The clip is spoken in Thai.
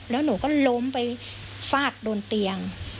แล้วหนูก็ล้มไปฟาดโดนเตียง